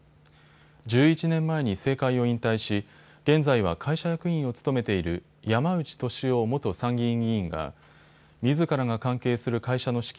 １１年前に政界を引退し現在は会社役員を務めている山内俊夫元参議院議員がみずからが関係する会社の資金